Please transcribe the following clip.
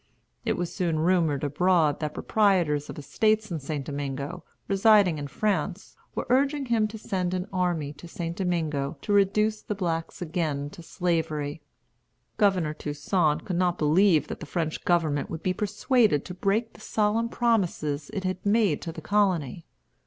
It was soon rumored abroad that proprietors of estates in St. Domingo, residing in France, were urging him to send an army to St. Domingo to reduce the blacks again to Slavery. Governor Toussaint could not believe that the French government would be persuaded to break the solemn promises it had made to the colony.